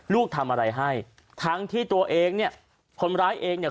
ลูกทำอะไรให้ทั้งที่ตัวเองเนี่ยคนร้ายเองเนี่ย